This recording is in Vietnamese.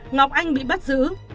ngọc anh bị bắt giữ